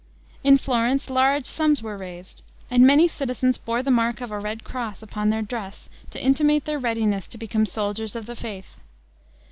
In Florence, large sums were raised, and many citizens bore the mark of a red cross upon their dress to intimate their readiness to become soldiers of the faith.